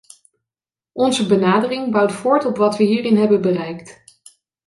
Onze benadering bouwt voort op wat we hierin hebben bereikt.